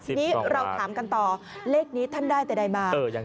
ทีนี้เราถามกันต่อเลขนี้ท่านได้แต่ใดมา